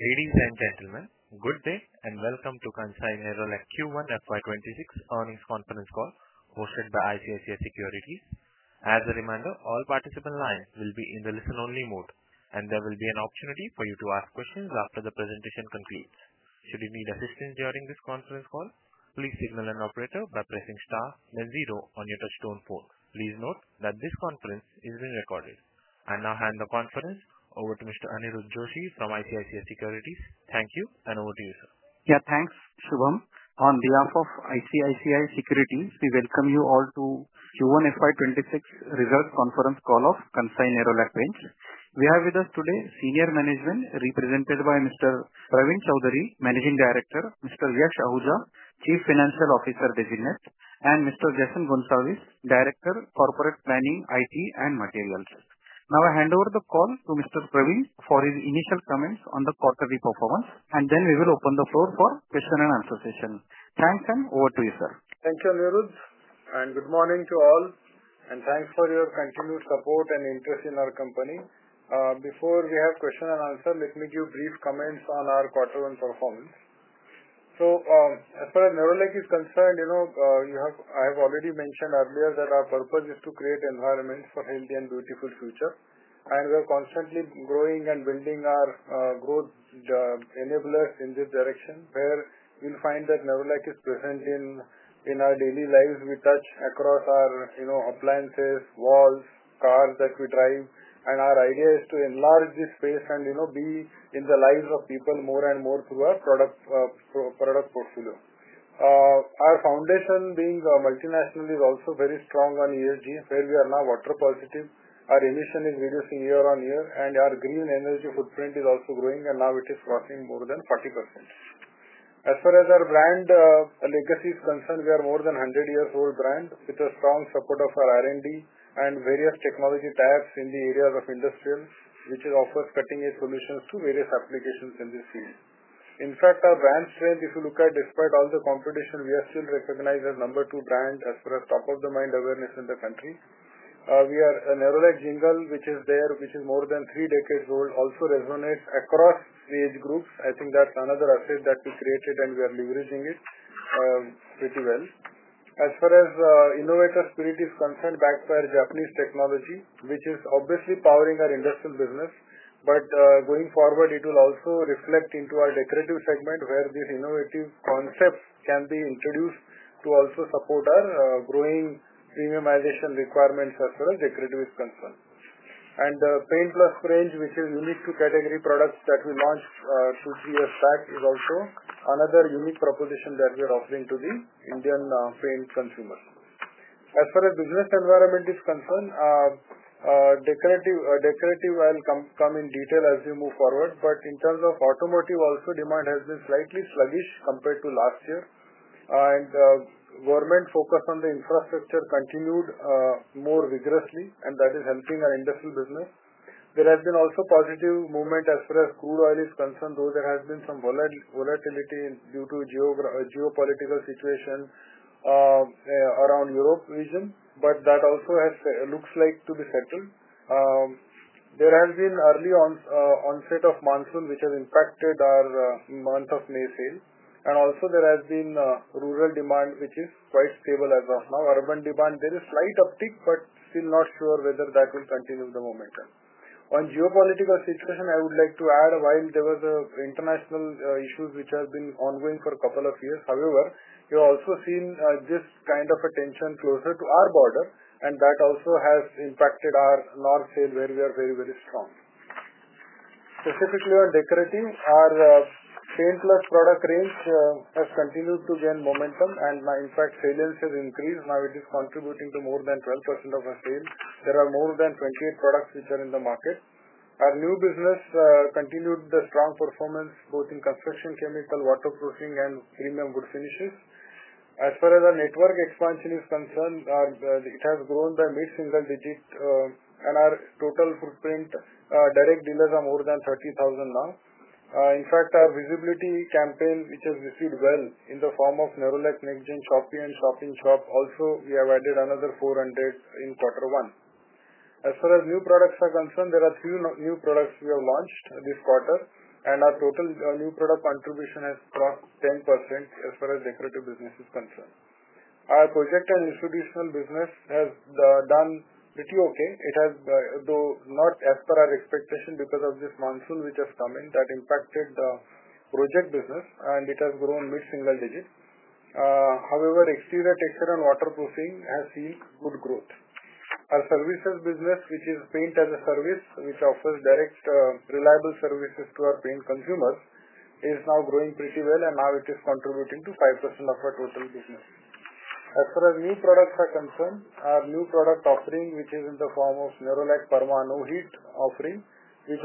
Ladies and gentlemen. Good day and welcome to Kansai Nerolac Q1 FY 2026 earnings conference call hosted by ICICI Securities. As a reminder, all participant lines will be in the listen-only mode and there will be an opportunity for you to ask questions after the presentation completes. Should you need assistance during this conference call, please signal an operator by pressing star then zero on your touch-tone phone. Please note that this conference is recorded. I now hand the conference over to Mr. Aniruddh Joshi from ICICI Securities. Thank you and over to you, sir. Yeah, thanks Shubham. On behalf of ICICI Securities, we welcome you all to Q1 FY 2026 results conference call of Kansai Nerolac Paints. We have with us today senior management represented by Mr. Pravin Chaudhari, Managing Director, and Mr. Yash Ahuja, Chief Financial Officer-designate. Mr. Jason Gonsalves, Director of Corporate Planning, IT, and Materials. Now I hand over the call to Mr. Pravin for his initial comments on the quarterly performance, and then we will open the floor for question and answer session. Thanks, and over to you, sir. Thank you, Aniruddh, and good morning to all, and thanks for your continued support and interest in our company. Before we have question and answer, let me give brief comments on our quarter one performance. As far as Nerolac is concerned, I have already mentioned earlier that our purpose is to create environments for a healthy and beautiful future, and we're constantly growing and building our growth enablers in this direction, where you'll find that Nerolac is present in our daily lives. We touch across our appliances, walls, cars that we drive, and our idea is to enlarge this space and be in the lives of people more and more through our product portfolio. Our foundation, being multinational, is also very strong on ESG, where we are now water positive. Our emission is reducing year on year, and our green energy footprint is also growing, and now it is crossing more than 40%. As far as our brand legacy is concerned, we are a more than 100 years old brand with strong support of our R&D and various technology tabs in the areas of industrial, which offers cutting edge solutions to various applications in this field. In fact, our brand strength, if you look at despite all the competition, we are still recognized as the number two brand as far as top of the mind awareness in the country. Our Nerolac jingle, which is there, which is more than three decades old, also resonates across age groups. I think that's another asset that we created, and we are leveraging it pretty well. As far as innovator spirit is concerned, backed by Japanese technology, which is obviously powering our industrial business, going forward it will also reflect into our decorative segment, where these innovative concepts can be introduced to also support our growing premiumization requirements as well as decorative is concerned, and the paint range, which is unique to category products that we launched two, three years back, is also another unique proposition that we are offering to the Indian famed consumer. As far as business environment is concerned, decorative will come in detail as you move forward. In terms of automotive, also, demand has been slightly sluggish compared to last year, and government focus on the infrastructure continued more vigorously, and that is helping our industrial business. There has been also positive movement as far as crude oil is concerned, though there has been some volatility due to geopolitical situation around Europe region, but that also looks like to be settled. There has been early onset of monsoon, which has impacted our month of May sale, and also there has been rural demand which is quite stable as of now. Urban demand, there is slight uptick, but still not sure whether that will continue the momentum on geopolitical situation. I would like to add while there was a international issues which have been ongoing for a couple of years, however you also seen this kind of attention closer to our border, and that also has impacted our North and where we are very, very strong specifically on decorating. Our paint plus product range has continued to gain momentum and in fact sales has increased. Now it is contributing to more than 12% of our sale. There are more than 28 products which are in the market. Our new business continued the strong performance both in construction chemicals, waterproofing, and premium wood finishes. As far as our network expansion is concerned, it has grown by mid-single digits and our total footprint direct dealers are more than 30,000 now. In fact, our visibility campaign which has received well in the form of Nerolac NXTGEN, Shopee, and shop-in-shop also we have added another 400 in quarter one. As far as new products are concerned, there are few new products we have launched this quarter and our total new product contribution has dropped 10%. As far as decorative business is concerned, our projects and institutional business has done pretty okay. It has though not as per our expectation because of this monsoon which has come in that impacted the project business and it has grown mid-single digits. However, exterior texture and waterproofing has seen good growth. Our services business which is Paint-as-a-Service which offers direct reliable services to our paint consumers is now growing pretty well and now it is contributing to 5% of our total business. New products are concerned, our new product offering, which is in the form of Nerolac No Heat offering,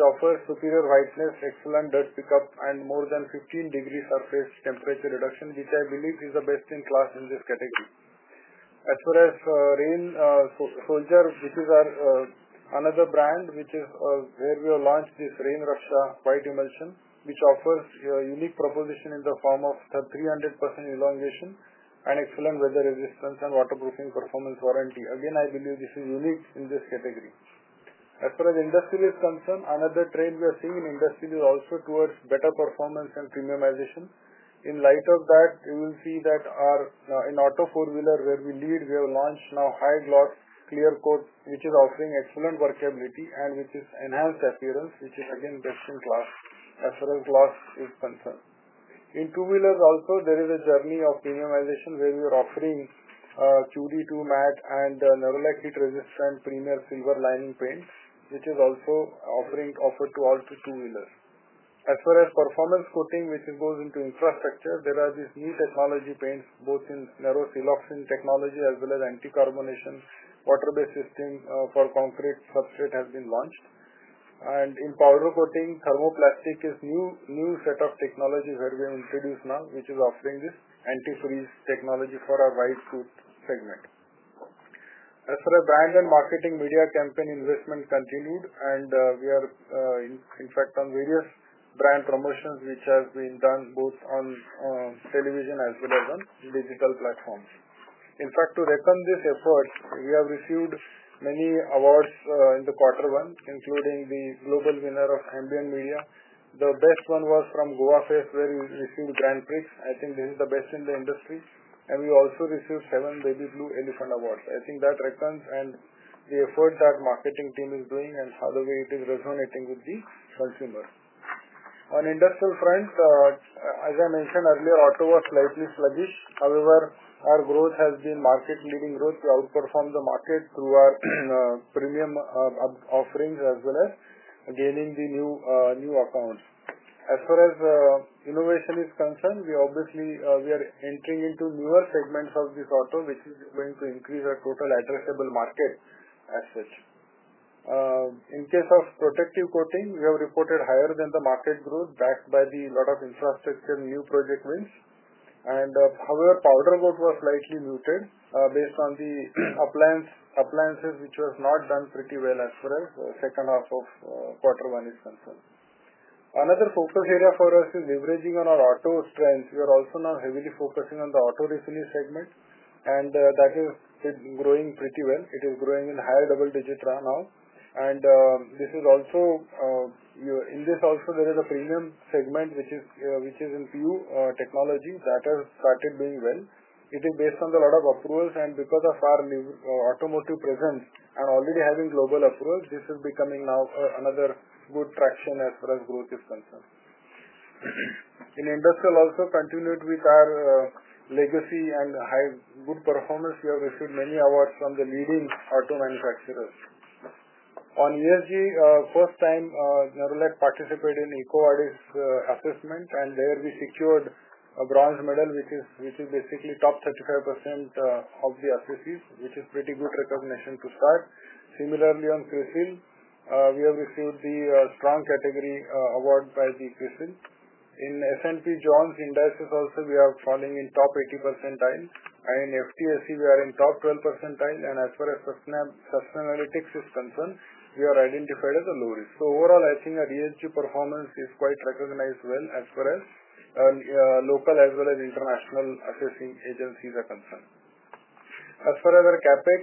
offers superior whiteness, excellent dirt pickup, and more than 15 degrees surface temperature reduction, which I believe is the best in class in this category. As far as Rain Soldiers, which is another brand, we have launched this Rain Raksha white emulsion, which offers a unique proposition in the form of 300% elongation and excellent weather resistance and waterproofing performance warranty. I believe this is unique in this category. As far as industrial concern, another trend we are seeing in industry is also towards better performance and premiumization. In light of that, you will see that in auto four wheeler, where we lead, we have launched now high gloss clear coat, which is offering excellent workability and which has enhanced appearance, which is again best in class as far as accurate gloss is concerned. In two wheelers also, there is a journey of premiumization where we are offering QD Matte and Nerolac Heat Resistant Premier Fever Lining Paint, which is also being offered to all the two wheelers. As far as performance coating, which goes into infrastructure, there are these technology paints both in Nerolac Siloxane technology as well as anti-carbonation water-based system for concrete substrate, which has been launched, and in powder coating, thermoplastic is a new set of technologies that we have introduced now, which is offering this antifreeze technology for our white goods segment. As for the brand and marketing, media campaign investment continued, and we are in fact on various brand promotions, which have been done both on television as well as on digital platforms. In fact, to reckon these efforts, we have received many awards in the quarter one, including the global winner of ambient media. The best one was from Goafest, where we received Grand Prix. I think this is the best in the industry, and we also received seven Baby Blue Elephant awards. I think that reckons the effort that the marketing team is doing and how the way it is resonating with the consumer. On industrial front. As I mentioned earlier, Ottawa slightly sluggish. However, our growth has been market leading growth to outperform the market through our premium offerings as well as gaining the new new account. As far as innovation is concerned, we obviously are entering into newer segments of this auto which is going to increase our total addressable market. As such, in case of protective coating, we have reported higher than the market growth backed by a lot of infrastructure, new project wins, and however powder goods were slightly looted based on the appliances which was not done pretty well as far as second half of quarter one is concerned. Another focus area for us is leveraging on our auto strength. We are also now heavily focusing on the auto refinish segment and that is growing pretty well. It is growing in higher double digit ran out and in this also there is a premium segment which is in few technologies that are started doing well based on a lot of approvals and because of our new automotive presence and already having global approvals, this is becoming now another good traction as far as growth is concerned. In industrial also continued with our legacy and high good performance. We have received many awards from the leading auto manufacturers on ESG. First time Nerolac participated in EcoVadis assessment and there we secured a bronze medal which is basically top 35% of the associates which is pretty good recognition to start. Similarly, on CRISIL we have received the strong category award by the CRISIL. In S&P Dow Jones Indices. Also, we are falling in top 80 percentile and FTSE we are in top 12 percentile. As far as firsthand analytics is concerned. We are identified as a low risk. Overall, I think our ESG performance is quite recognized, as far as local as well as international assessing agencies are concerned. As far as our CapEx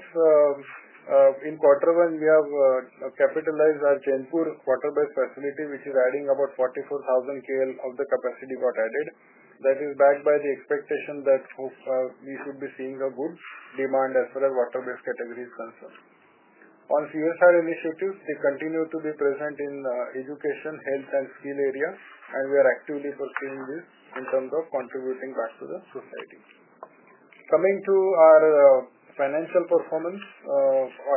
in quarter one, we have capitalized our Jainpur quarterback facility, which is adding about 44,000 kL of capacity. That is backed by the expectation that we should be seeing a good demand as far as water-based category is concerned. On CSR initiatives, they continue to be present in education, health, and skill area, and we are actively pursuing this in terms of contributing back to the society. Coming to our financial performance,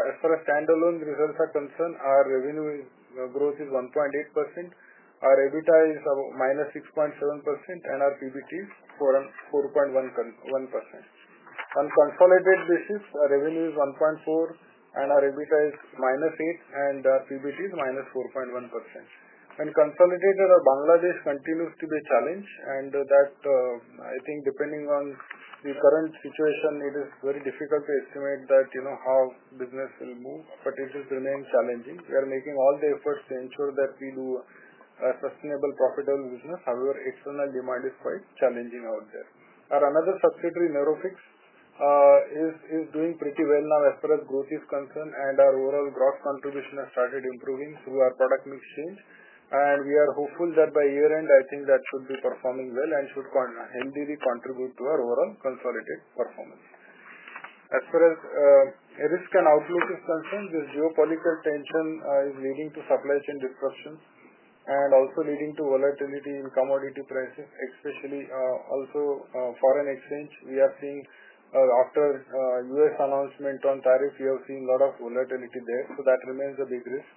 as far as standalone results are concerned, our revenue growth is 1.8%, our EBITDA is -6.7%, and our PBT is 4.11%. On consolidated basis, our revenue is 1.4%, our EBITDA is -8%, and our PBT is -4.1%. Consolidated, Bangladesh continues to be a challenge, and that's, I think, depending on the current situation, it is very difficult to estimate how business will move, but it remains challenging. We are making all the efforts to ensure that we do a sustainable, profitable business. However, external demand is quite challenging out there, and another subsidiary, Nerofix, is doing pretty well now as far as growth is concerned. Our overall gross contribution has started improving through our product mix change, and we are hopeful that by year end, I think that should be performing well and should contribute to our overall consolidated performance. As far as risk and outlook is concerned, this geopolitical tension is leading to supply chain discussions and also leading to volatility in commodity prices, especially also foreign exchange. We are seeing after U.S. Announcement on tariff, you have seen a lot of volatility there, so that remains a big risk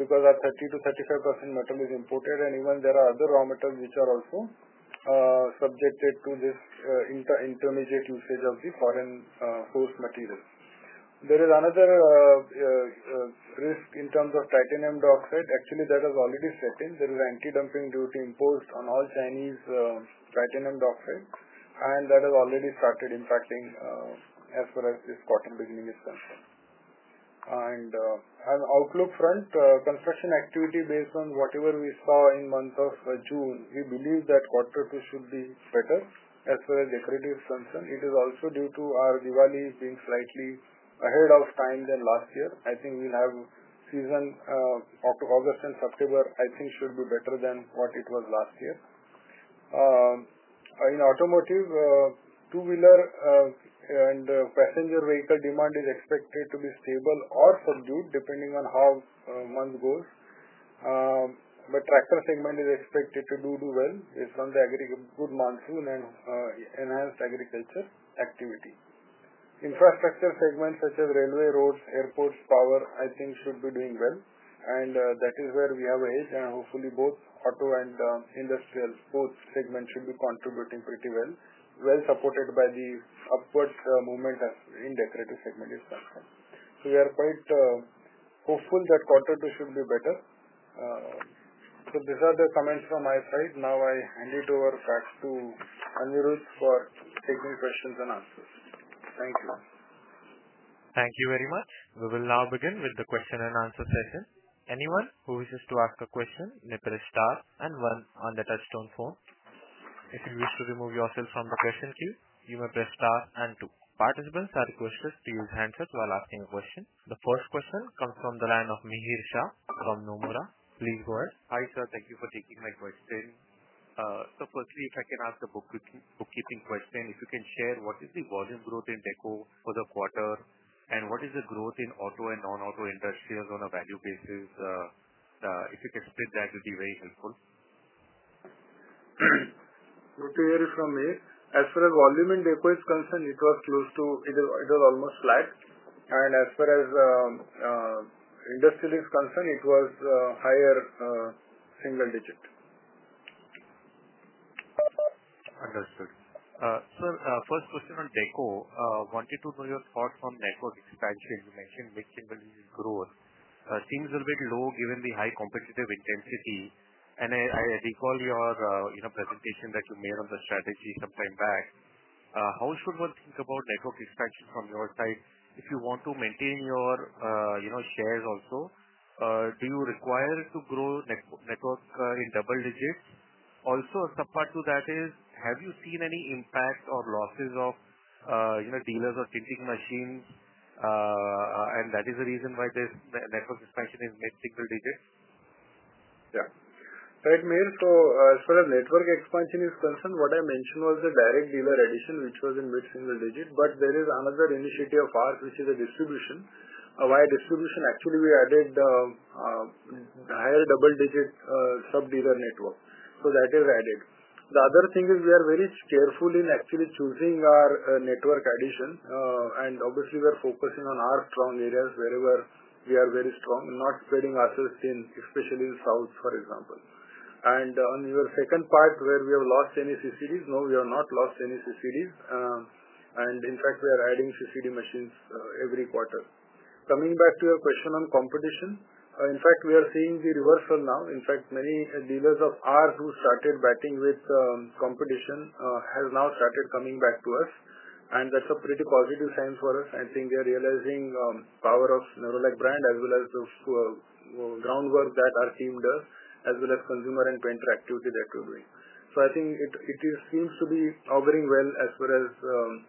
because our 30%-35% metal is imported, and even there are other raw metals which are also subjected to this intermediate usage of the foreign force material. There is another risk in terms of titanium dioxide. Actually, that has already set in. There is anti-dumping duty imposed on all Chinese titanium dioxide, and that has already started impacting as far as this quarter beginning is concerned. On outlook front, construction activity, based on whatever we saw in month of June, we believe that quarter should be better as far as accurately is concerned. It is also due to our Diwali being slightly ahead of time than last year. I think we'll have season October, August and September I think should be better than what it was last year. In automotive, two wheeler and passenger vehicle demand is expected to be stable or for good depending on how month goes. Tractor segment is expected to do well from the agriculture monsoon and enhanced agriculture activity. Infrastructure segments such as railway, roads, airports, power I think should be doing well and that is where we have a and hopefully both auto and industrial both segments should be contributing pretty well, well supported by the upward movement of green decorative segment itself. We are quite hopeful that quarter they should be better. These are the comments from my side. Now I hand it over back to Aniruddh for taking questions and answers. Thank you. Thank you very much. We will now begin with the question and answer session. Anyone who wishes to ask a question, please press star and one on the touchstone. If you wish to remove yourself from the question queue, you may press star and two. Participants are requested to use a handset while asking a question. The first question comes from the line of Mihir Shah from Nomura. Please go ahead. Hi sir. Thank you for taking my question. If I can ask a bookkeeping question, if you can share what is the volume growth in deco for the quarter and what is the growth in auto and non-auto industrials on a value basis? If you can split that, it would be very helpful. Good to hear you. As far as volume and deco is concerned, it was close to, it was almost flat. As far as industrial is concerned, it was higher single digit. Understood. First question on deco. Wanted to know your thoughts on network. You mentioned which single use growth seems a little bit low given the high competitive intensity. I recall your presentation that you made on the strategy sometime back. How should one think about network expansion from your side? If you want to maintain your shares, also do you require to grow network in double digits? Also, subpart to that is have you seen any impact or losses of dealers or fixing machine, and that is the reason why this network expansion is net single digits. Yeah, right. As far as network expansion is concerned, what I mentioned was the direct dealer addition, which was in mid-single-digit. There is another initiative of ours, which is distribution via distribution. Actually, we added higher double-digit sub-dealer network, so that is added. The other thing is we are very careful in actually choosing our network addition, and obviously we are focusing on our strong areas wherever we are very strong, not spreading ourselves in, especially the South, for example. On your second part, where we have lost any CCDs, no, we have not lost any series, and in fact we are adding CCD machines every quarter. Coming back to your question on competition, in fact we are seeing the reversal now. Many dealers of ours who started batting with competition have now started coming back to us, and that's a pretty positive sign for us. I think we are realizing the power of the Nerolac brand as well as the groundwork that our team does, as well as consumer and pentra activity that we're doing. I think it seems to be operating well as far as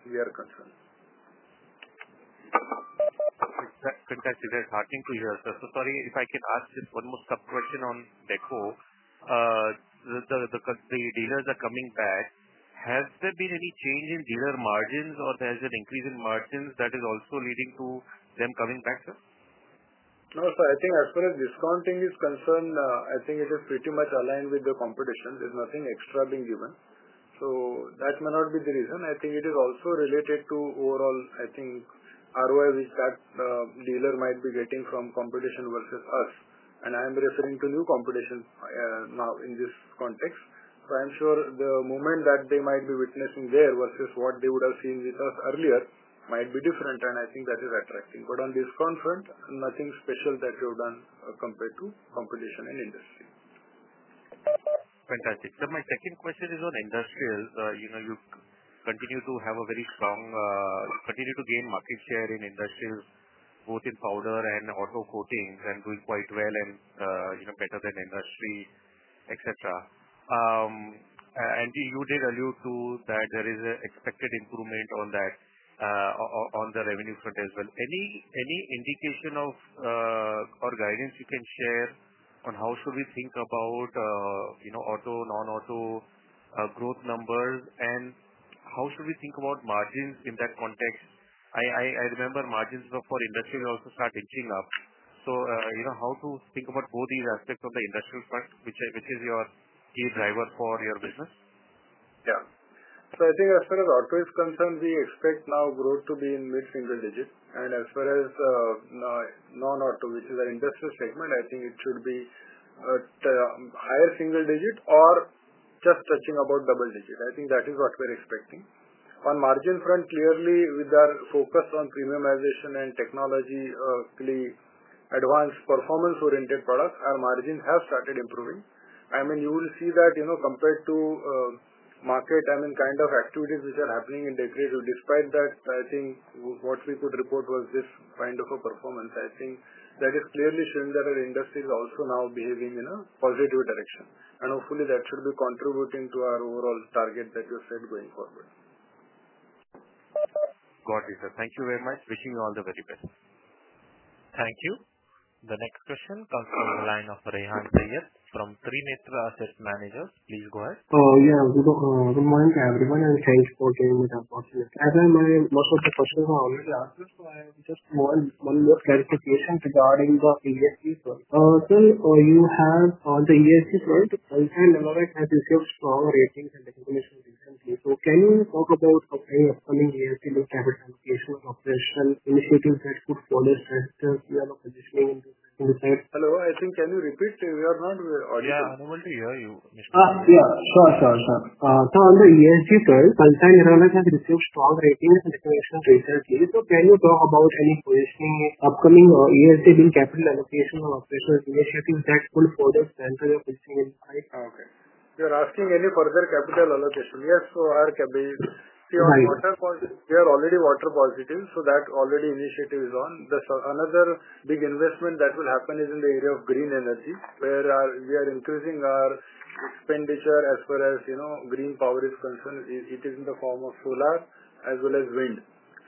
we are concerned. That's fantastic. That's heartening to hear. If I can ask one more question on deco, the dealers are coming back. Has there been any change in dealer margins or there's an increase in margins? That is also leading to them coming back, sir? No, I think as far as discounting is concerned, I think it is pretty much aligned with the competition. There's nothing extra being given, so that may not be the reason. I think it is also related to overall ROI which that dealer might be getting from competition versus us, and I am referring to new competition now in this context. I'm sure the momentum that they might be witnessing there versus what they would have seen with us earlier might be different, and I think that is attracting. There is nothing special that you've done compared to competition in industry. Fantastic. My second question is on industrials. You continue to have a very strong, continue to gain market share in industrial, both in powder and auto coatings, and doing quite well, better than industry, etc., and you did value too that there is an expected improvement on that on the revenue foot as well. Any indication or guidance you can share on how should we think about auto, non-auto growth numbers, and how should we think about margins in that context? I remember margins before industry also start inching up. How to think about both these aspects of the industrial part, which is your huge driver for your business. Yeah. I think as far as auto is concerned, we expect now growth to be in mid-single digits. As far as non-auto, which is an industrial segment, I think it should be higher single digit or just touching about double digit. I think that is what we're expecting on margin front. Clearly, with our focus on premiumization and technology advanced performance-oriented products, our margin has started improving. You will see that compared to market, I mean kind of activities which are happening in degree two. Despite that, what we could report was this kind of a performance. I think that is clearly showing that our industry is also now behaving in a positive direction. Hopefully, that should be contributing to our overall target that you said going forward. Thank you very much. Wishing you all the very best. Thank you. The next question comes from the line of Rehan Saiyyed from Trinetra Asset Managers. Please go ahead. As I mentioned, most of the questions are already answered. So I just want your clarification regarding the ESG. Also, you have on the ESG front, Kansai Nerolac has received strong ratings and information recently. So can you talk about how the upcoming ESG limited capital invocation and operational initiatives that could follow this trend? We are not positioning in this yet. Hello, can you repeat? You are not, unable to hear you. Yeah, sure. So on the E.U. has received strong ratings and information recently. So can you talk about any positioning upcoming or ESG in capital allocation or operational initiatives that will further center your position in site? You are asking any further capital allocation? Yes. Yes. They are already water positive. That already initiative is on. Another big investment that will happen is in the area of green energy, where we are increasing our expenditure. As far as green power is concerned, it is heated in the form of solar as well as wind.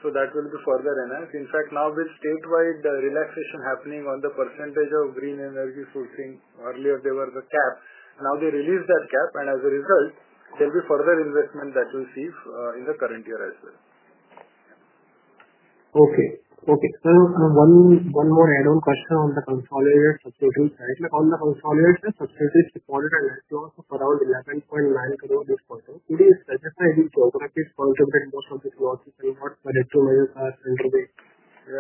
That will be further enhanced. In fact, now with statewide relaxation happening on the percentage of green energy sourcing. Earlier there was the cap. Now they release that cap and as a result, there'll be further investment that we see in the current year as well. Okay. Okay. One. One more add on the consolidated success. On the consolidated success of around INR 11.9 crore. It is.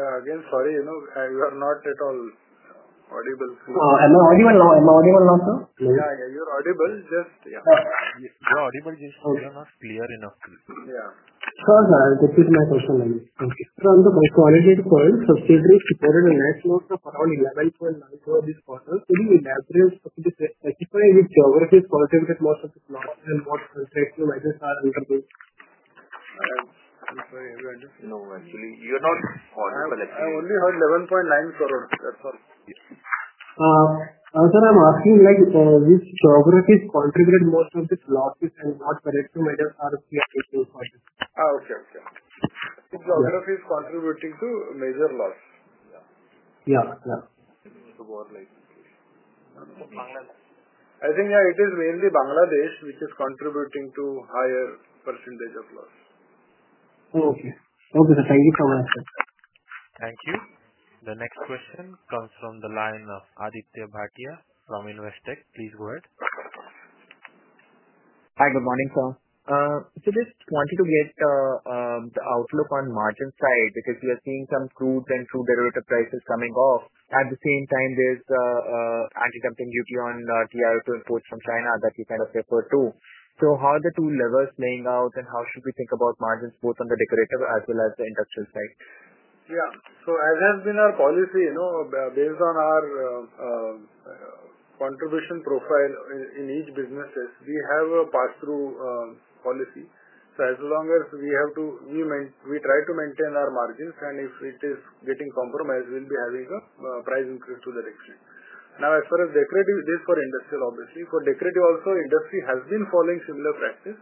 Again, sorry, you know you are not at all audible. Am I audible now, sir? Yeah, yeah. You're audible. Yeah. Yes, the audio is clear enough. Yeah. From the consolidated point. You're not clear enough. I only heard 11.9 crore. That's all. I'm asking, like this progress is contributed most of its losses and loss to major. Is contributing to major loss. Yeah. Yeah. I think it is mainly Bangladesh which is contributing to higher percentage of loss. Okay. Okay. Thank you so much. Thank you. The next question comes from the line of Aditya Bhartia from Investec. Please go ahead. Hi, good morning. I just wanted to get the outlook on margin side because we are seeing some crude and crude derivative prices coming off. At the same time there's anti-dumping duties upon the TiO2 to import from China that you kind of refer to. How are the two levers playing out and how should we think about margins both on the decorative as well as the industrial side? Yeah, as has been our policy, you know, based on our contribution profile in each business, we have a pass-through policy. As long as we have to, we try to maintain our margins, and if it is getting compromised, we'll be having a price increase to the redshift. Now, as far as decorative, it is for industrial; obviously, for decorative also, the industry has been following a similar practice.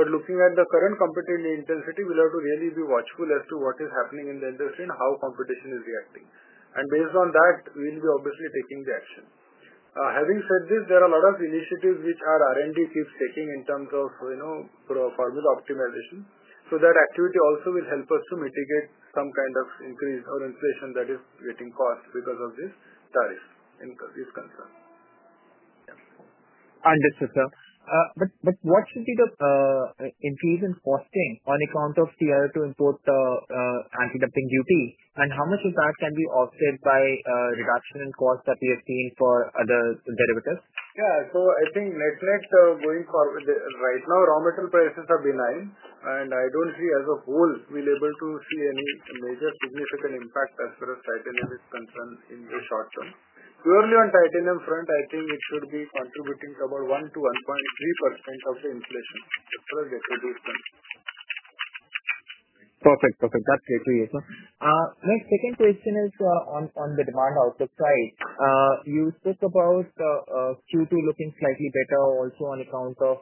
Looking at the current competitive intensity, we'll have to really be watchful as to what is happening in the industry and how competition is reacting. Based on that, we will be obviously taking the action. Having said this, there are a lot of initiatives which our R&D is taking in terms of, you know, probably optimization. That activity also will help us to mitigate some kind of increase or inflation that is getting caused because of this tariff is concerned. Understood, sir. What should be the increase in costing on account of TiO2 to import the anti-dumping duty, and how much of that can be offset by reduction in cost that we have seen for other derivatives? Yeah, I think net going forward right now, raw material prices are benign. I don't see as a whole be able to see any major significant impact as far as titanium is concerned in the short term. Purely on titanium front, I think it should be contributing about 1%-1.3% of the inflation. Perfect. Perfect. That's great. My second question is on the demand outlook side. You think about Q2 looking slightly better also on account of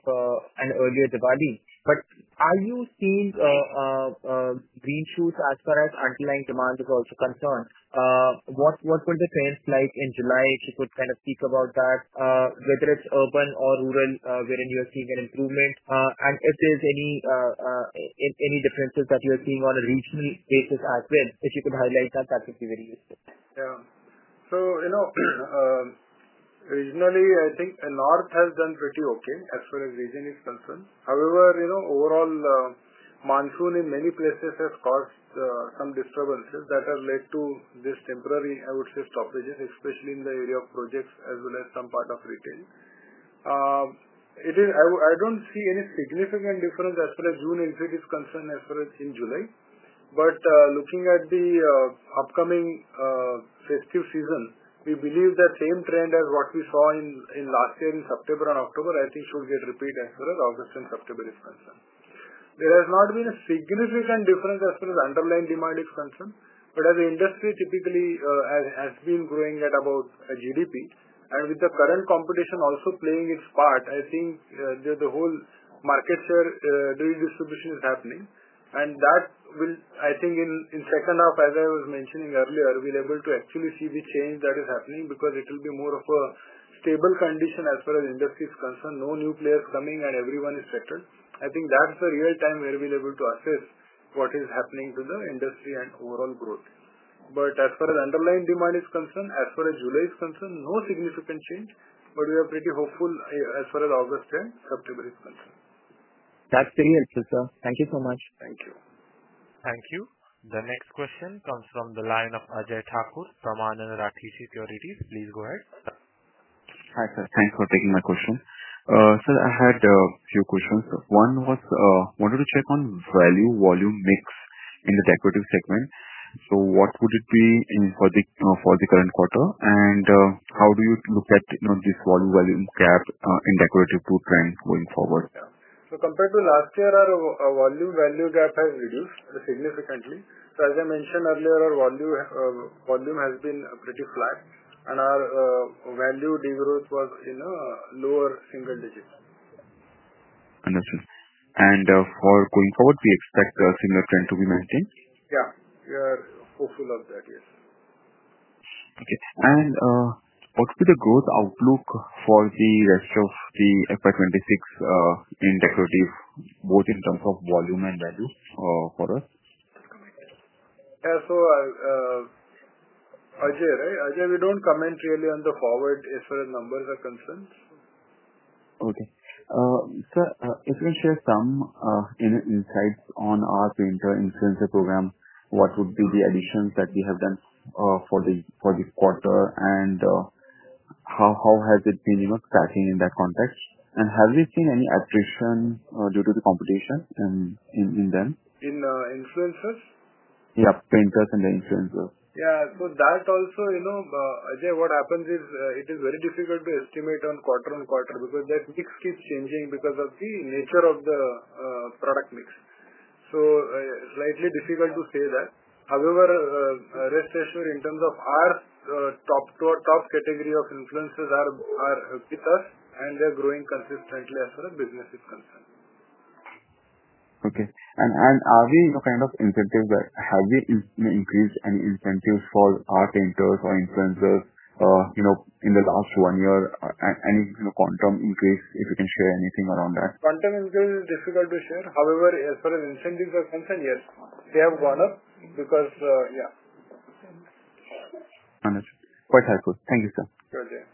an earlier Diwali. Are you seeing green shoots as far as underlying demand is also concerned? What would the trends be like in July? If you could kind of speak about that, whether it's urban or rural, where you are seeing an improvement, and if there's any differences that you're seeing on a regional basis as well, if you could highlight that, that would be very useful. Regionally, I think North has done pretty okay as far as region is concerned. However, overall monsoon in many places has caused some disturbances that have led to this temporary, I would say, stoppage especially in the area of Projects as well as some part of retail. I don't see any significant difference as far as June exit is concerned. As far as in July, looking at the upcoming festive season, we believe that same trend as what we saw in last year in September and October should get repeat. As far as August and September is concerned, there has not been a significant difference as far as underlying demand is concerned. As the industry typically has been growing at about GDP, and with the current competition also playing its part, I think the whole market share distribution is happening. I think in the second half, as I was mentioning earlier, we're able to actually see the change that is happening because it will be more of a stable condition as far as industry is concerned. No new players coming and everyone is settled. I think that's the real time. We have been able to assess what is happening to the industry and overall growth. As far as underlying demand is concerned, as far as July is concerned, no significant change. We are pretty hopeful as far as August and September is concerned. That's pretty much. Thank you so much. Thank you. Thank you. The next question comes from the line of Ajay Thakur from Anand Rathi Securities. Please go ahead. Hi sir, thanks for taking my question. Sir, I had a few questions. One was wanted to check on value volume mix in the decorative segment. What would it be for the current quarter, and how do you look at this value volume gap in decorative food trends going forward? Compared to last year, our volume value gap has reduced significantly. As I mentioned earlier, our volume has been pretty flat and our value degrowth was in a lower single digit. We expect the similar trend to be maintained going forward. Yeah, we are hopeful of that. Yes. Okay. What's the growth outlook for the rest of FY 2026 in decorative both in terms of volume and value for us? Ajay, we don't comment really on the forward as far as numbers are concerned. Okay. Sir, if you share some insights on our painter influencer program, what would be the additions that you have done for this quarter, and how has it been, you know, crashing in that context? Have you seen any attrition due to the competition and in them, in influencers? Yeah, painters and the influencer. Yeah, that also, you know, what happens is it is very difficult to estimate on quarter on quarter because that mix keeps changing because of the nature of the product mix. It is slightly difficult to say that. However, rest assured, in terms of our top category of influences, they are with us and they're growing consistently as a business is concerned. Okay. Are we kind of incentive? Have we increased any incentives for our painters or influencers in the last one year, any quantum in case you can share anything around that. Content is difficult to share. However, as far as incentives are concerned, yes, they have gone up because, yeah. Quite helpful. Thank you, sir. Sure, yeah.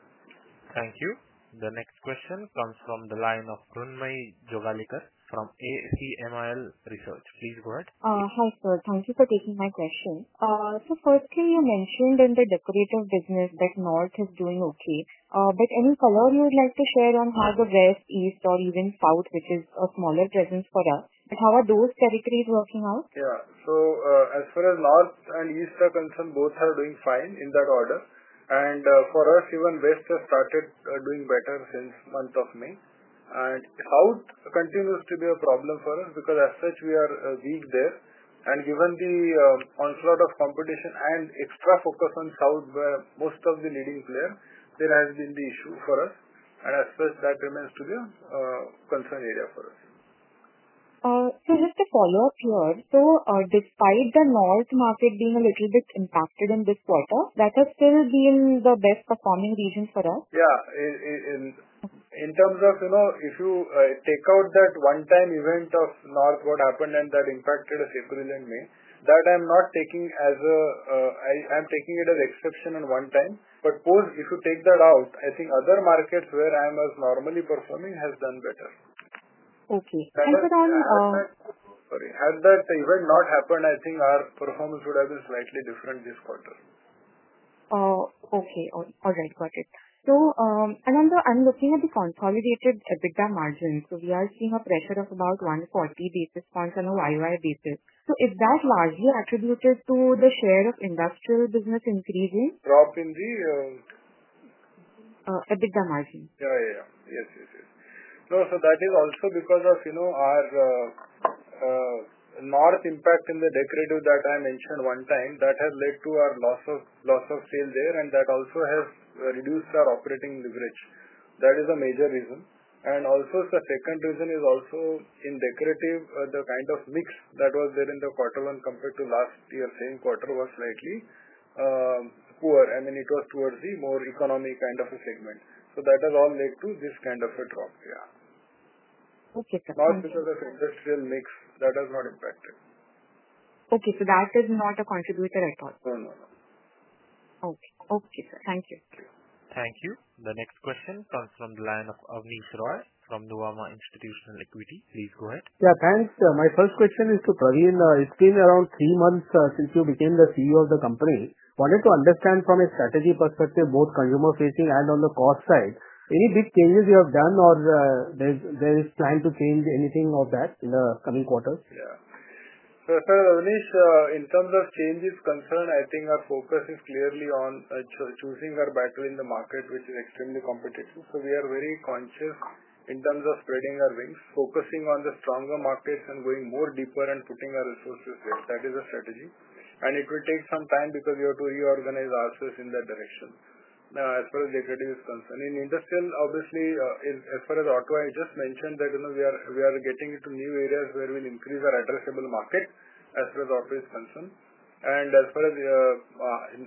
Thank you. The next question comes from the line of Mrunmayee Jogalekar from ACMIIL Research. Please go ahead. Thank you for taking my question. Firstly, you mentioned in the decorative business that North is doing okay. Any color you would like to share on how the West, East, or even South, which is a smaller presence for us, how are those territories working out? Yeah. As far as North and East are concerned, both are doing fine in that order. For us, even West has started doing better since the month of May. South continues to be a problem for us because as such we are reached there. Given the onslaught of competition and extra focus on South where most of the leading players are, there has been the issue for us and as such that remains to be a concern area for us. Despite the North market being a little bit impacted in this quarter, that has still been the best performing region for us. Yeah. In terms of, you know, if you take out that one-time event of North, what happened and that impacted us equivalently, I'm not taking it as a, I'm taking it as exception in one time. If you take that out, I think other markets where I am as normally performing has done better. Okay. Had that event not happened, I think our performance would have been slightly different this quarter. Okay, all right, got it. I'm looking at the consolidated EBITDA margin. We are seeing a pressure of about 140 basis points on a YoY basis. It is largely attributed to the share of industrial business increasing. Drop in the. EBITDA margin. Yeah, yeah, yeah. Yes, yes, yes. That is also because of our North impact in the decorative that I mentioned one time. That has led to our loss of sale there, and that also has reduced our operating leverage. That is a major reason. The second reason is also in decorative, the kind of mix that was there in the quarter one compared to last year same quarter was slightly poor, and it was towards the more economic kind of a segment. That has all led to this kind of a drop. Yeah. Okay. Not because of industrial mix, that has not impacted. Okay, that is not a contributor at all. No. Okay, thank you. Thank you. The next question comes from the line of Abneesh Roy from Nuvama Institutional Equities. Please go ahead. Yeah, thanks. My first question is to Pravin. It's been around three months since you became the CEO of the company. Wanted to understand from a strategy perspective, both consumer facing and on the cost side, any big changes you have done or there is plan to change anything of that in the coming quarters. So Abneesh, in terms of change is concerned, I think our focus is clearly on choosing our battery in the market, which is extremely competitive. We are very conscious in terms of spreading our wings, focusing on the stronger markets, and going more deeper and putting our resources there. That is a strategy, and it will take some time because you have to reorganize ourselves in that direction. Now, as far as executive is concerned in industrial, obviously as far as auto, I just mentioned that we are getting into new areas where we'll increase our addressable market. As far as auto is concerned and as far as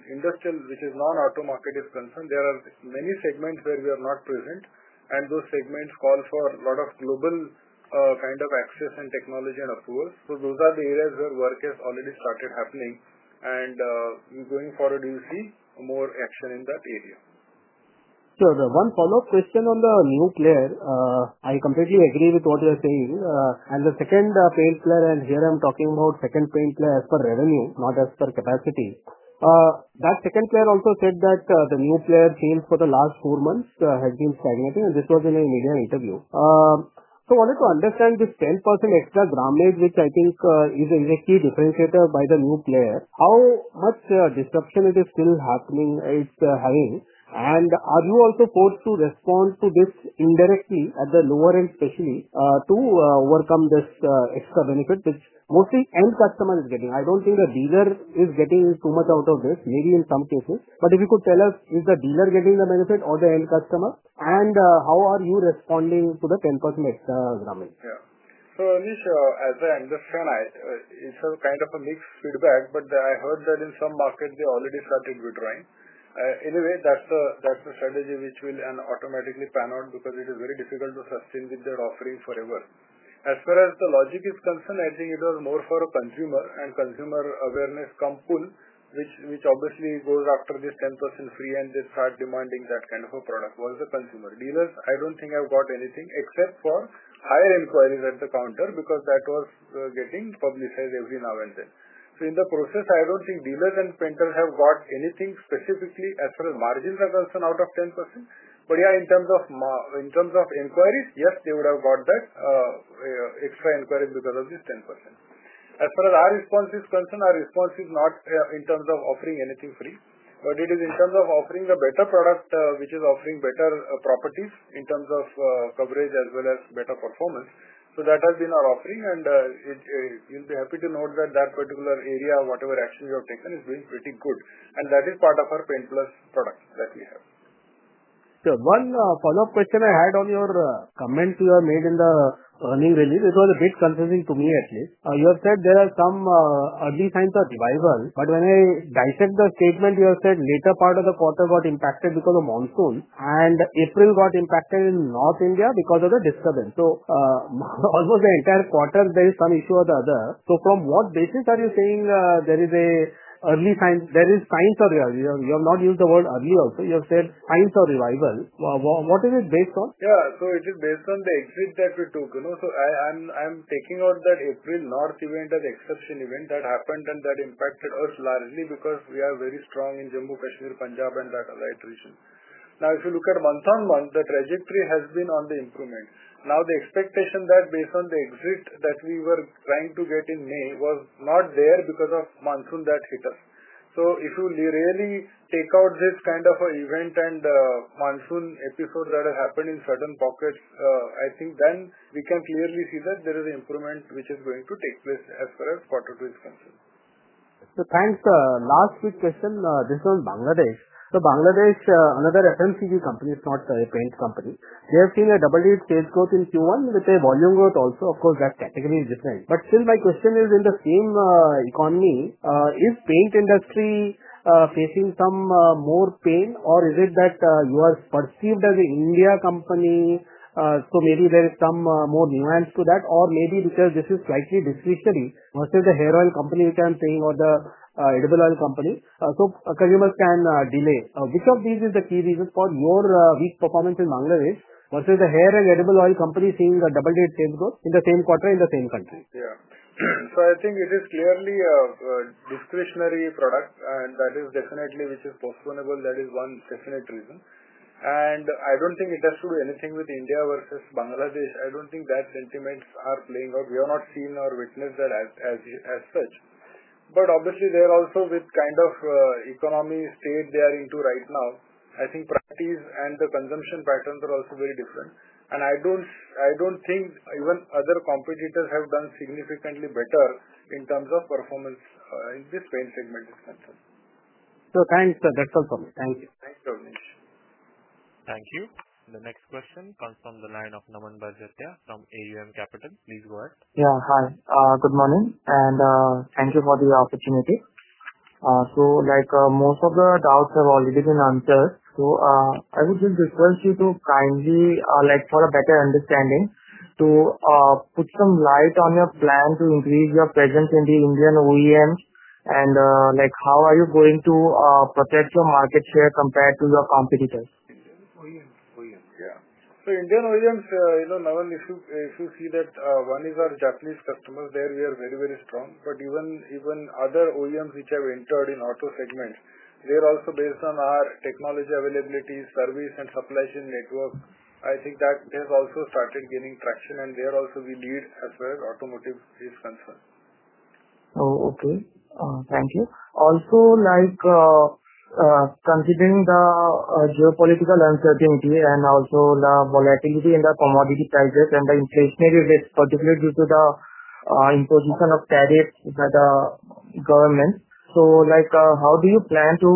industrial, which is non auto market, is concerned, there are many segments where we are not present, and those segments call for a lot of global kind of access and technology and approval. Those are the areas where work has already started happening, and going forward you see more action in that area. Sure. One follow up question on the nuclear. I completely agree with what you're saying and the second paint player, and here I'm talking about second paint player as per revenue, not as per capacity. That second player also said that the new player field for the last four months had been formulating and this was in an Indian interview. I wanted to understand this 10% extra grammage, which I think is a key differentiator by the new player. How much disruption is still happening? It's hanging. Are you also forced to respond to this indirectly at the lower end, especially to overcome this extra benefit which mostly the end customer is getting? I don't think the dealer is getting too much out of this, maybe in some cases. If you could tell us, is the dealer getting the benefit or the end customer, and how are you responding to the 10% extra grammage? It's a kind of a mixed feedback, but I heard that in some market they already started withdrawing anyway. That's a strategy which will automatically pan out because it is very difficult to sustain with their offering forever. As far as the logic is concerned, I think it was more for a consumer and consumer awareness campaign, which obviously goes after this 10% free, and they start demanding that kind of a product with the consumer dealers. I don't think I've got anything except for higher inquiries at the counter because that was getting publicized every now and then. In the process, I don't think dealers and painters have got anything specifically as far as margins are concerned out of 10%. Yeah, in terms of inquiries, yes, they would have got that extra inquiry because of this 10%. As far as our response is concerned, our response is not in terms of offering anything free, but it is in terms of offering a better product which is offering better properties in terms of coverage as well as better performance. That has been our offering, and you'll be happy to note that that particular area, whatever action you have taken, is being pretty good and that is part of our Paints Plus production that we have. One follow up question I had on your comments you have made in the earnings release, it was a bit confusing to me actually. You have said there are some early signs of revival, but when I dissect the statement you have said later part of the quarter got impacted because of monsoon and April got impacted in North India because of the disturbance. Almost the entire quarter there is some issue or the other. From what basis are you saying there is an early sign, is there science or reality? You have not used the word earlier. Also you have said signs of revival. What is it based on? Yeah, it is based on the exit that we took. I'm taking out that April North event as an exception event that happened and that impacted us largely because we are very strong in Jammu Kashmir, Punjab, and Baghala. Now, if you look at month on month, the trajectory has been on the improvement. The expectation that, based on the exits that we were trying to get in May, was not there because of monsoon that hit us. If you really take out this kind of event and monsoon episode that has happened in certain pockets, I think we can clearly see that there is an improvement which is going to take place as far as quarter two is concerned. Thanks. The last quick question, this was Bangladesh. Bangladesh, another FMCG company is not a paint company. They have seen a double edit case growth in Q1 with a volume growth also. Of course that category is different, but still my question is in the same economy is paint industry facing some more pain or is it that you are perceived as an India company? Maybe there is some more nuance to that or maybe because this is slightly different versus the hair oil company which I'm seeing or the edible oil company. A consumer can delay which of these is the key reasons for more weak performance in Bangladesh versus the hair and edible oil company seeing a double digit sales growth in the same quarter in the same country. I think it is clearly a discretionary product and that is definitely which is postponable. That is one definite reason. I don't think it has to do anything with India versus Bangladesh. I don't think that sentiment are playing out. We have not seen or witnessed that as such. Obviously, they are also with kind of economy state they are into right now. I think practice and the consumption patterns are also very different and I don't think even other competitors have done significantly better in terms of performance in this paint treatment expenses. Thanks, that's all for me. Thank you. Thanks. Thank you. The next question comes from the line of Naman Barjatya from AUM Capital. Please go ahead. Yeah. Hi, good morning and thank you for the opportunity. Most of the doubts have already been answered. I would just refer you to kindly, for a better understanding, put some light on your plan to increase your presence in the Indian OEM, and how are you going to protect your market share compared to your competitors? Indian OEMs, you know, if you see that one is our Japanese customers, there we are very, very strong. Even other OEMs which have entered in auto segment, they're also based on our technology availability, service, and supply chain network. I think that has also started gaining traction and there also we need as well as automotive is concerned. Oh, okay. Thank you. Also, considering the geopolitical uncertainty and the volatility in the commodity prices and the inflationary risk, particularly due to the imposition of tariffs by the government, how do you plan to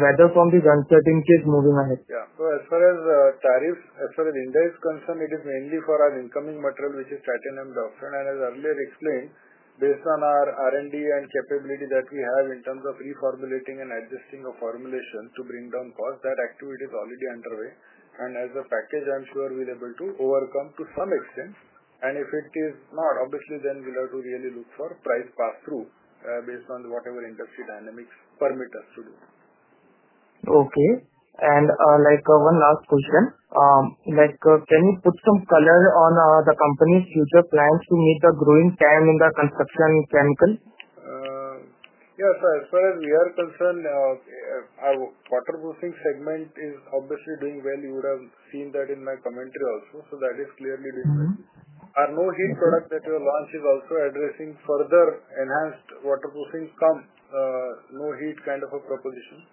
weather from the bank is moving on. Yeah. As far as tariffs as far as India is concerned, it is mainly for an incoming material which is titanium dioxide. As earlier explained, based on our R&D and capability that we have in terms of reformulating and adjusting of formulations to bring down cost, that too is already underway. As a package, I'm sure we'll be able to overcome to some extent. If it is not, obviously, then we'll have to really look for price pass through based on whatever industry dynamics permit us to do. Okay. Can you put some color on the company's future plans to meet the growing stand in the construction chemicals? Yes. As far as we are concerned, the waterproofing segment is obviously doing well. You would have seen that in my commentary also. That is clearly different. Our No Heat product that we launched is also addressing further enhanced waterproofing, come No Heat kind of a proposition.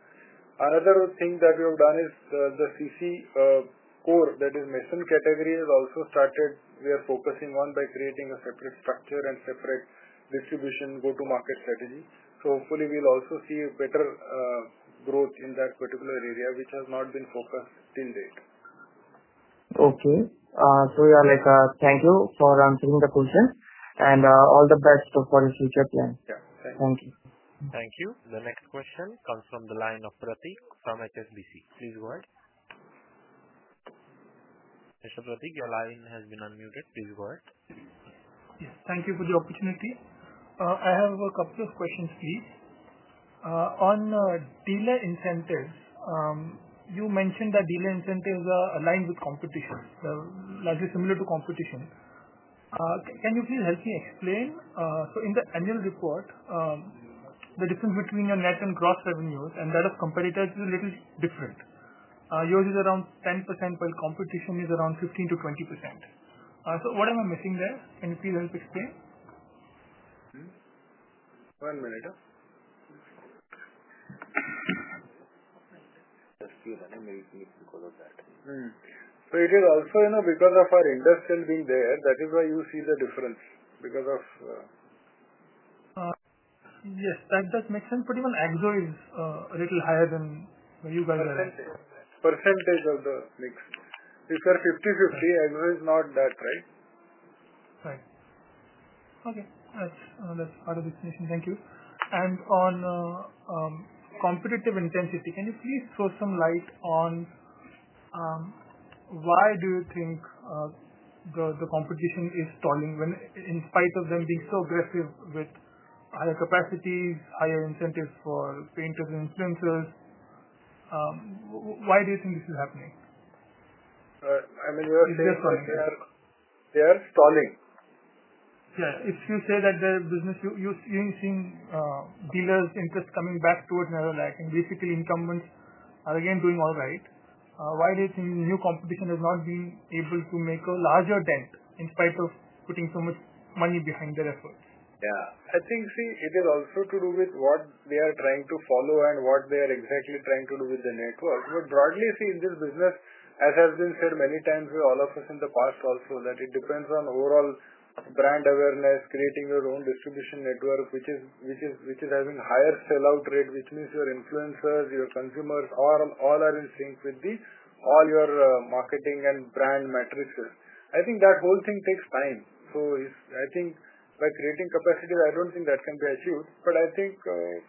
Another thing that we have done is the CC core, that is [mix on] category, is also started. We are focusing on it by creating a separate structure and separate distribution go-to-market strategy. Hopefully, we'll also see better growth in that particular area, which has not been focused till date. Okay, so yeah, thank you for answering the questions and all the best for your future plan. Thank you. Thank you. The next question comes from the line of Pratik from HSBC. Please go ahead. Your line has been unmuted. Please go ahead. Yes, thank you for the opportunity. I have a couple of questions for you on dealer incentives. You mentioned that dealer incentives are aligned with competition, largely similar to competition. Can you please help me explain? In the annual report, the difference getween your net and gross revenues. That of competitors is a little different. Yours is around 10% while competition is around 15%-20%. What am I missing there? Can you please help explain? It is also because of our industrial being there. That is why you see the difference. Yes, that. That makes sense. Pretty much higher than where you guys. Are percentage of the mix. These are 50/50 as well. Is not that right? Fine. Okay. That's part of the explanation. Thank you. Can you please shed some light on competitive intensity? Why do you think the competition is stalling when in spite of them being so aggressive with higher capacities, higher incentives for painters and influencers? Why do you think this is happening? I mean they are stalling. Yeah. If you say that the business, you seeing dealers' interest coming back too. It is narrow, lacking basically. Incumbents are again doing all right while it's in new competition, have not been able to make a larger dent in spite of putting so much money behind their effort. Yeah, I think it is also to do with what they are trying to follow and what they are exactly trying to do with the network. Broadly, in this business, as has been said many times, all of us in the past also, it depends on overall brand awareness. Creating your own distribution network, which is having higher sellout rate, means your influencers and your consumers are all in sync with all your marketing and brand matrices. I think that whole thing takes time. By creating capacity, I don't think that can be achieved.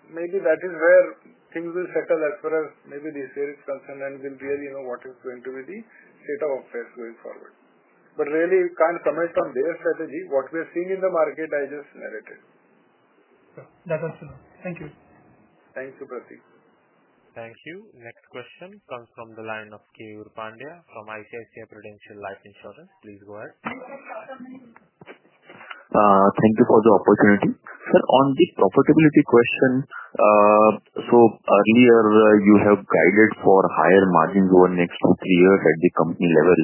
Maybe that is where things will settle as far as this year is concerned and we'll really know what is going to be the set of affairs going forward. You can't comment on their strategy. What we're seeing in the market, I just narrated that also. Thank you. Thank you, Pratik. Thank you. Next question comes from the line of Keyur Pandya from ICICI Prudential Life Insurance. Please go ahead. Thank you for the opportunity, sir. On this profitability question, earlier you have guided for higher margins over the next two, three years at the company level,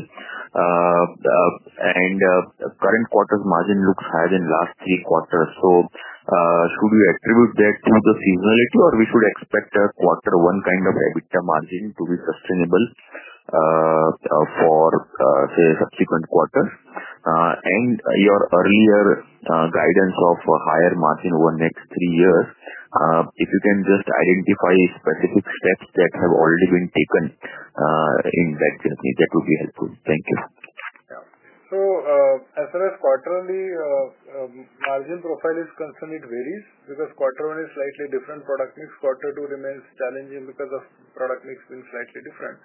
and the current quarter's margin looks higher in the last three quarters. Should we attribute that to some of the seasonality, or should we expect a quarter one kind of EBITDA margin to be sustainable for, say, subsequent quarters? Your earlier guidance of higher margin over the next three years, if you can just identify specific steps that have already been taken in that journey, that would be helpful. Thank you. As far as quarterly margin profile is concerned, it varies because quarter one is slightly different product mix. Quarter two remains challenging because of product mix being slightly different.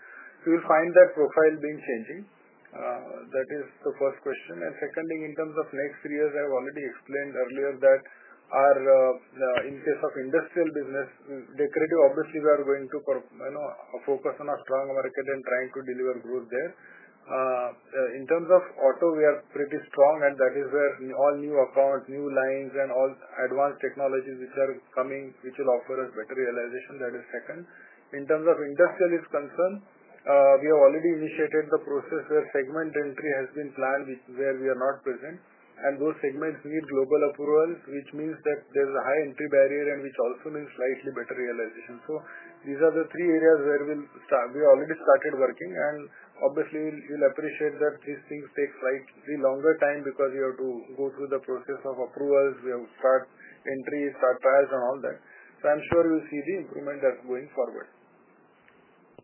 You will find that profile been changing. That is the first question. Second thing in terms of next three years, I have already explained earlier that in case of industrial business decorative, obviously we are going to focus on a strong market and trying to deliver growth there. In terms of auto, we are pretty strong and that is where all new account, new lines, and all advanced technologies which are coming, which will offer us better realization. That is second in terms of industrial is concerned. We have already initiated the process where segment entry has been planned where we are not present and those segments need global approvals, which means that there's a high entry barrier and which also means slightly better realization. These are the three areas where we start. We already started working and obviously you'll appreciate that these things take slightly longer time because you have to go through the process of approvals. We have start entry, start fires and all that. I'm sure you see the improvement as going forward.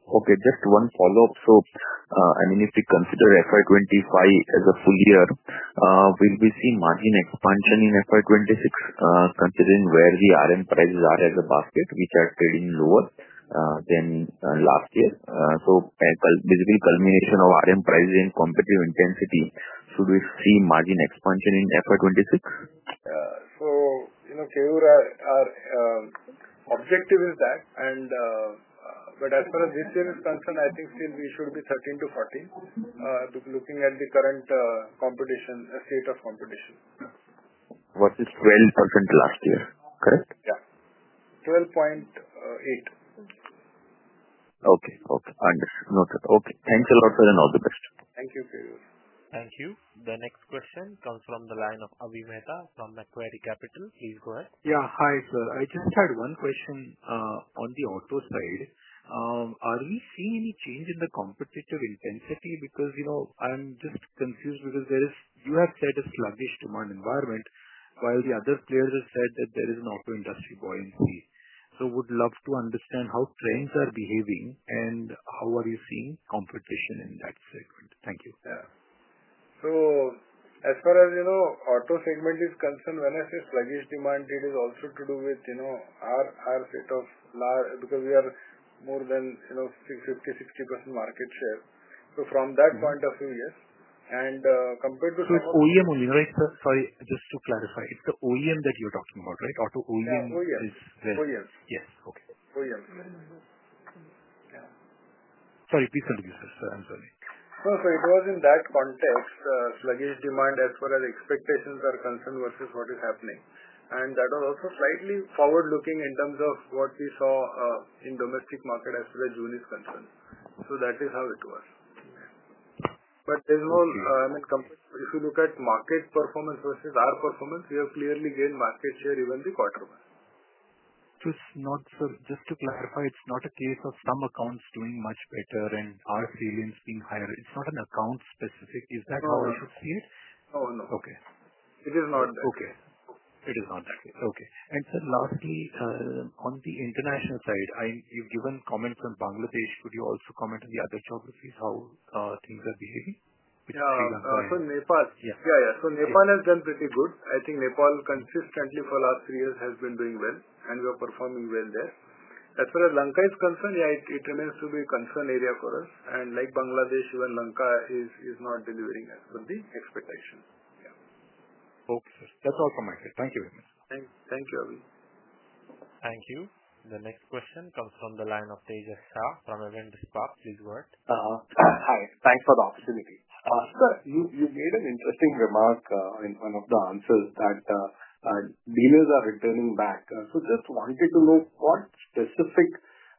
Okay, just one follow up. If we consider FY 2025 as a full year, we'll be seeing margin expansion in FY 2026 considering where the RM prices are as a basket, which are trading lower than last year. Will this be a culmination of RM prices and competitive intensity? Should we see margin expansion in FY 2026? Our objective is that, but as far as this year is concerned, I think still we should be 13%-14% looking at the current state of competition. Versus 12% last year, correct? Yeah, 12.8%. Okay. Okay. Okay. Thanks a lot. All the best. Thank you. Thank you. The next question comes from the line of Avi Mehta from Macquarie Capital. Please go ahead. Yeah, hi sir, I just had one question. On the auto side, are we seeing any change in the competitive intensity? Because you know, I'm just confused because there is, you have said a sluggish demand environment while the other players have said that there is an auto industry buoyancy. Would love to understand how frames are behaving, and how are you seeing competition in that sector? Thank you. As far as you know, auto segment is concerned, when I say sluggish demand, it is also to do with our set of large because we are more than 50%-60% market share. From that point of view, yes, and compared to. OEM only. Right. Sorry, just to clarify, it's the OEM that you're talking about, right? Yes. Please introduce us. I'm sorry. It was in that context, sluggish demand as far as expectations are concerned versus what is happening. That was also slightly forward looking in terms of what we saw in the domestic market as to June is concerned. That is how it was. If you look at markets performance versus our performance, we have clearly gained market share even the quarter. Just to clarify, it's not a case of some accounts doing much better and our sales being higher. It's not an account specific. Is that how I should see it? Oh no. Okay. It is not okay. It is not okay. Lastly, on the international side, you've given comment from Bangladesh. Could you also comment on the other geographies, how things are behaving? Nepal has done pretty good. I think Nepal consistently for the last three years has been doing well and we are performing well there. As far as Lanka is concerned, it remains to be a concerned area. Correct. Like Bangladesh, even Lanka is not delivering as the expectations. Okay, that's all for myself. Thank you very much. Thank you, Avi. Thank you. The next question comes from the line of Tejas Shah from Avendus Spark. Thank you for the opportunity. You made an interesting remark in one of the answers that dealers are returning back. Just wanted to know what specific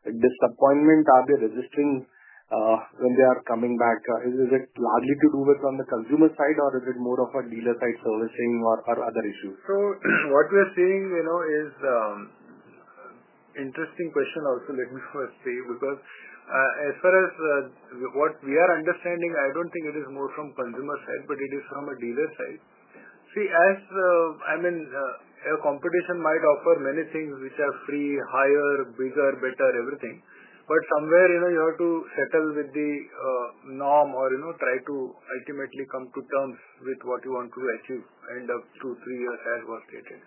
disappointment are they resisting when they are coming back? Is it largely to do with on the consumer side or is it more of a dealer side servicing or other issues? What we're seeing is an interesting question also. Let me first, as far as what we are understanding, I don't think it is more from consumer side but it is from a dealer side. See, a competition might offer many things which are free, higher, bigger, better, everything, but somewhere you have to settle with the norm or try to ultimately come to terms with what you want to achieve. End up two, three years as was taken.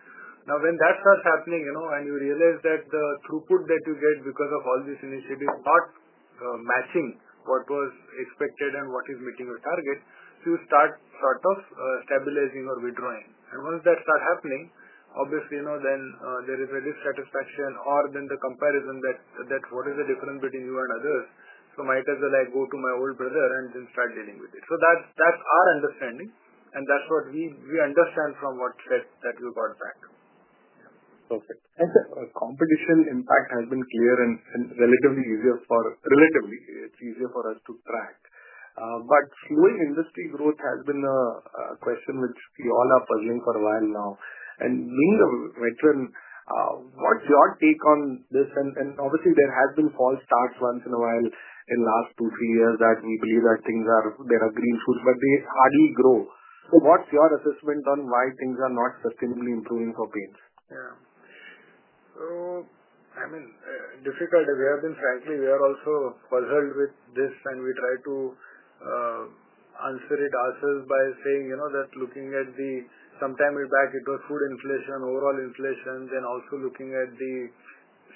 Now, when that starts happening and you realize that the throughput that you get because of all these initiatives is not matching what was expected and what is meeting the target, you start sort of stabilizing or withdrawing. Once that starts happening, obviously there is a dissatisfaction or then the comparison that what is the difference between you and others. Might as well I go to my old brother and then start dealing with it. That's our understanding and that's what we understand from what tests that you got back. Competition impact has been clear and relatively easier for us to track. Slowing industry growth has been a question which you all are puzzling for a while now. What's your take on this? Obviously, there have been false starts. Once in a while in the last two, three years, we believe that things are. There are green shoots but they hardly grow. What's your assessment on why things are not sustainably improving for paints? Yeah, so I mean difficult. We have been, frankly, we are also puzzled with this, and we try to answer it ourselves by saying, you know, that looking at the sometime way back it was food inflation, overall inflation, then also looking at the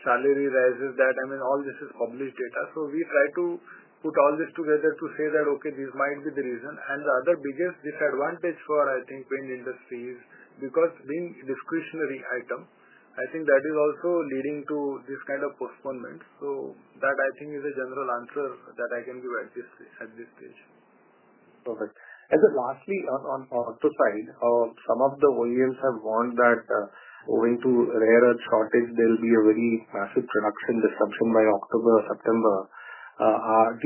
salary rises. I mean all this is homeless data. We try to put all this together to say that, okay, this might be the reason, and the other biggest disadvantage for, I think, paint industries is because being discretionary item, I think that is also leading to this kind of performance. I think that is a general answer that I can give at this stage. Perfect. Lastly, on auto side, some of the OEMs have warned that owing to rare earth shortage, there will be a very massive production disruption by October or September. Do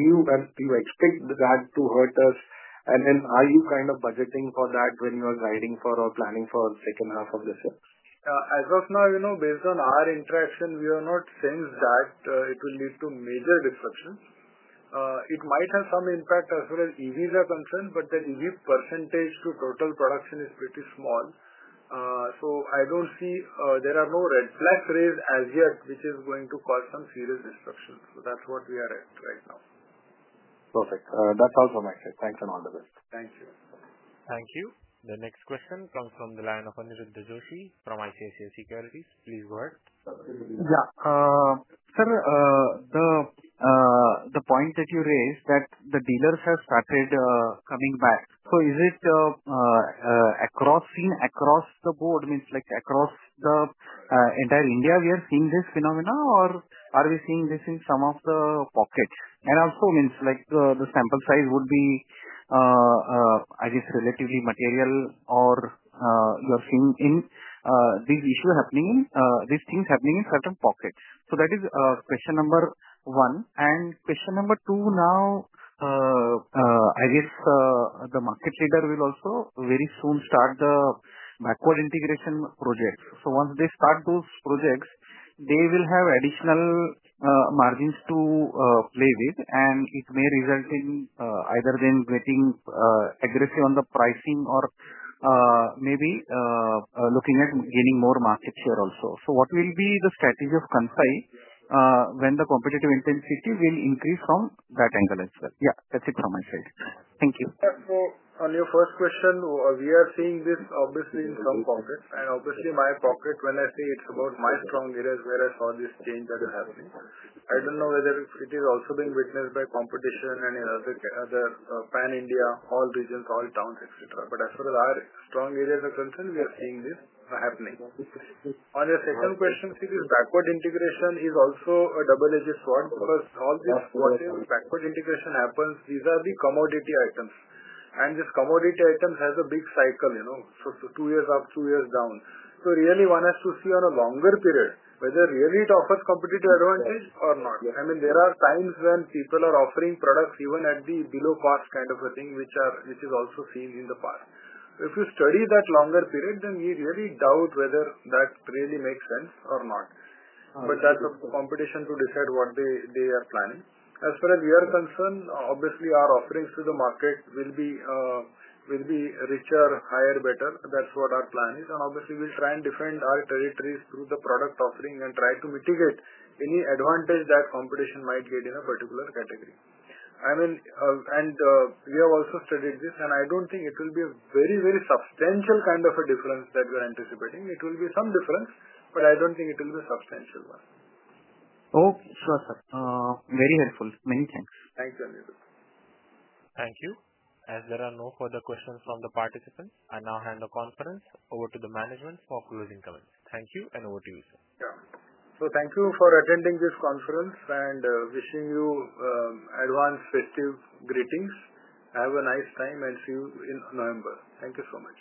you expect that to hurt us? Are you kind of budgeting when you are guiding for planning for second half of this? Year as of now, you know, based on our interest and we are not sense that it will lead to major disruptions. It might have some impact as far as EVs are concerned. The EV percentage to total production is pretty small. I don't see there are no red flags raised as yet which is going to cause some serious disruption. That's what we are at right now. Perfect. That's all for me, thanks and all the best. Thanks. Thank you. The next question comes from the line of Aniruddh Joshi from ICICI Securities. Please go ahead. Yeah, sir, the point that you raised, that the dealers have started coming back. Is it across the board, meaning across the board in entire India we are seeing this phenomenon, or are we seeing this in some of the pockets? Also, the sample size would be, I guess, relatively material, or are you seeing these things happening in certain pockets? That is our question number one. Question number two. I guess the market leader will also very soon start the backward integration projects. Once they start those projects, they will have additional margins to play with. It may result in either then getting aggressive on the pricing or maybe looking at gaining more market share also. What will be the strategy of Kansai, when the competitive intensity will increase from that angle as well? Yeah, that's it from my side. Thank you. On your first question, we are seeing this obviously in some context, and obviously my pocket, when I see, it's about my strong areas where I saw this change or the happening. I don't know whether it is also being witnessed by competition and the pan India, all regions, all towns, etc., but as far as our strong areas are concerned, we are seeing this happening. On your second question, stick is backward integration is also a double-edged one because all backward integration happens. These are the commodity items, and this commodity item has a big cycle, you know, so two years up, two years down. One has to see on.a longer period, whether really it offers competitive advantage or not, there are times when people are offering products even at below cost, which is also seen in the past. If you study that longer period, then we really doubt whether that really makes sense or not. That's a competition to decide what they are planning as far as we are concerned. Obviously, our offerings to the market will be richer, higher, better. That's what our plan is. Obviously, we'll try and defend our territories through the product offering and try to mitigate any advantage that competition might get in a particular category. We have also studied this, and I don't think it will be a very, very substantial kind of a difference that we are anticipating. It will be some difference, but I don't think it will be a substantial one. Okay, sure sir, very helpful. Many thanks. Thank you, Aniruddh. Thank you. As there are no further questions from the participants, I now hand the conference over to the management for closing comments. Thank you. Over to you, sir. Thank you for attending this conference and wishing you advanced festive greetings. Have a nice time and see you in November. Thank you so much.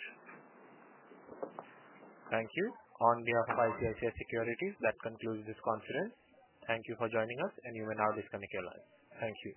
Thank you. On behalf of ICICI Securities, that concludes this conference. Thank you for joining us. You may now disconnect your line. Thank you.